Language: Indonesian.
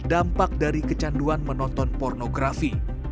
dampak dari kecanduan menonton pornografi